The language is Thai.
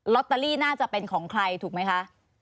ตเตอรี่น่าจะเป็นของใครถูกไหมคะ